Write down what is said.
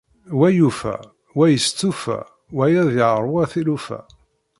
Wa yufa. Wa yestufa. Wayeḍ yeṛwa tilufa.